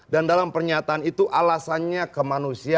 dan dalam pernyataan itu alasannya kemanusiaan